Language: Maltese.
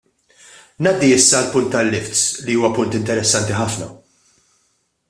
Ngħaddi issa għall-punt tal-lifts li huwa punt interessanti ħafna.